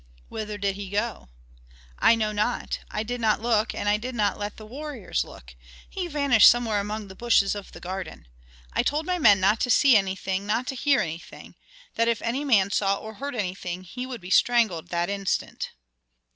"Whither did he go?" "I know not. I did not look, and I did not let the warriors look. He vanished somewhere among the bushes of the garden. I told my men not to see anything, not to hear anything; that if any man saw or heard anything he would be strangled that instant."